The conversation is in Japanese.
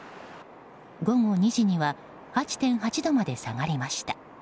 午後２時には８．８度まで下がりました。